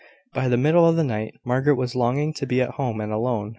By the middle of the night, Margaret was longing to be at home and alone.